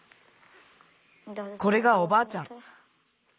これがおばあちゃん。